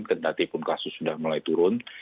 kendatipun kasus sudah mulai turun